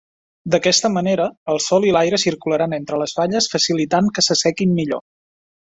D'aquesta manera el sol i l'aire circularan entre les falles facilitant que s'assequin millor.